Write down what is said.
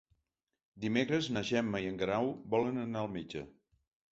Dimecres na Gemma i en Guerau volen anar al metge.